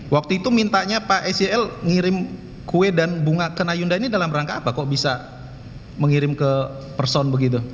waktu itu mintanya pak sel ngirim kue dan bunga ke nayunda ini dalam rangka apa kok bisa mengirim ke person begitu